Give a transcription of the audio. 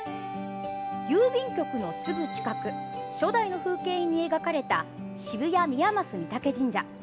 郵便局のすぐ近く初代の風景印に描かれた渋谷宮益御嶽神社。